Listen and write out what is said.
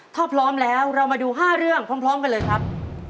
ถ้าพร้อมแล้วเรามาดู๕เรื่องพร้อมกันเลยครับ